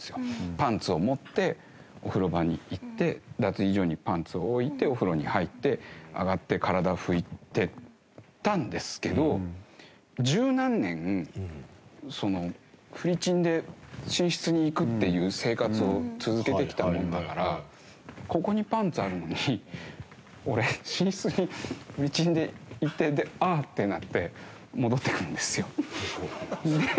パンツを持ってお風呂場に行って脱衣所にパンツを置いてお風呂に入って上がって体拭いてたんですけど十何年フルチンで寝室に行くっていう生活を続けてきたもんだからここにパンツあるのに俺寝室にフルチンで行ってで「ああ」ってなって戻ってくるんですよ。